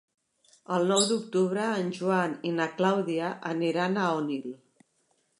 El nou d'octubre en Joan i na Clàudia aniran a Onil.